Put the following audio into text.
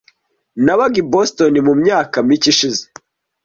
Nabaga i Boston mu myaka mike ishize .